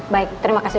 baik terimakasih dokter